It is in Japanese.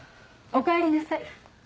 おかえりなさい。